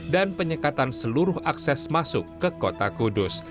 dan penyekatan seluruh akses masuk ke kota kudus